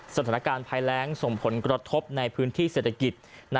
สถานการณ์ภัยแรงส่งผลกระทบในพื้นที่เศรษฐกิจ